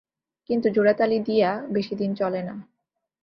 কিন্তু জোড়াতালি দিয়া বেশীদিন চলে না।